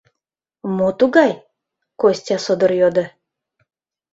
— Мо тугай? — Костя содор йодо.